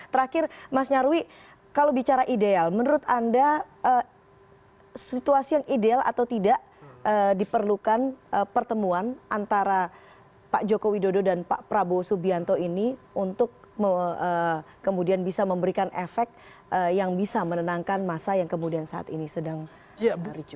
terakhir mas nyarwi kalau bicara ideal menurut anda situasi yang ideal atau tidak diperlukan pertemuan antara pak joko widodo dan pak prabowo subianto ini untuk kemudian bisa memberikan efek yang bisa menenangkan masa yang kemudian saat ini sedang ricu